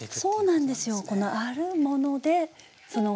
そうなんですよ。